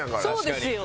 そうですよ。